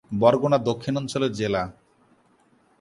বরগুনা দক্ষিণাঞ্চলের জেলা।